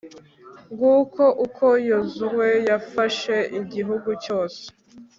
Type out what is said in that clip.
ng'uko uko yozuwe yafashe igihugu cyose